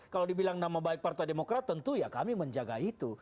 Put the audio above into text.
kalau dibilang nama baik partai demokrat tentu ya kami menjaga itu